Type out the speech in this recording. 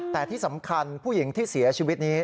แต่ที่สำคัญผู้หญิงที่เสียชีวิตนี้